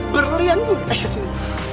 berlian gue eh sini